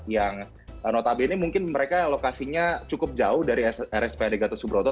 yang notabene mungkin mereka lokasinya cukup jauh dari rspad gatot subroto